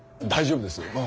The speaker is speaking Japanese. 大丈夫です。